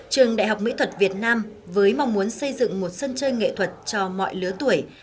trường đại học mỹ thuật việt nam với mong muốn xây dựng một sân chơi nghệ thuật cho mọi lứa tuổi